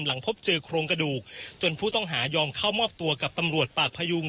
หลังพบเจอโครงกระดูกจนผู้ต้องหายอมเข้ามอบตัวกับตำรวจปากพยุง